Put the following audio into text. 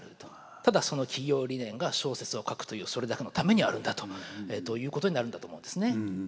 ただその企業理念が小説を書くというそれだけのためにあるんだと。ということになるんだと思うんですね。